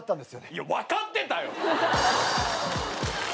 いや分かってたよ！